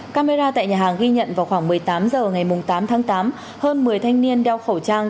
camera tại nhà hàng ghi nhận vào khoảng một mươi tám h ngày tám tháng tám hơn một mươi thanh niên đeo khẩu trang